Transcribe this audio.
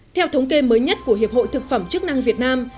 theo thống kê mới nhất của hiệp hội thực phẩm chức năng việt nam